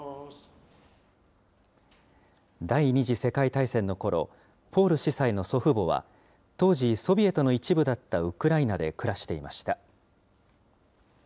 第２次世界大戦のころ、ポール司祭の祖父母は、当時、ソビエトの一部だったウクライナで暮らしていました。